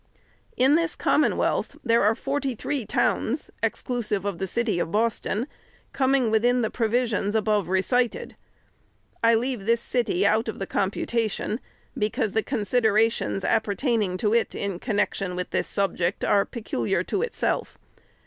Iu this Commonwealth, there are forty three towns, ex clusive of the city of Boston, coming within the provis ions above recited. I leave this city out of the computa tion, because the considerations, appertaining to it iu connection with this subject, are peculiar to itself.